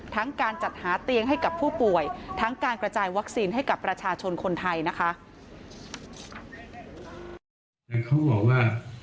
การจัดหาเตียงให้กับผู้ป่วยทั้งการกระจายวัคซีนให้กับประชาชนคนไทยนะคะ